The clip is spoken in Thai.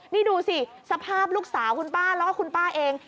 นี่ดูสิสภาพลูกสาวคุณป้าแล้วก็คุณป้าเอง